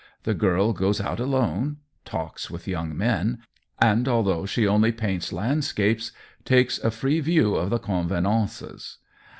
The girl goes out alone, talks with young COLLABORATION 109 men and, although she only paints land scape, takes a free view of the convenances.